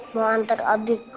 mau antar abi